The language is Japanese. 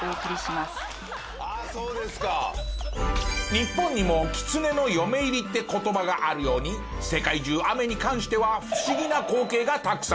日本にも狐の嫁入りって言葉があるように世界中雨に関しては不思議な光景がたくさん。